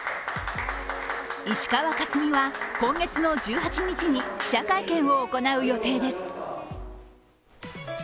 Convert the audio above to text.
石川佳純は、今月の１８日に記者会見を行う予定です。